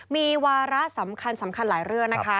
มีวาระสำคัญสำคัญหลายเรื่องนะคะ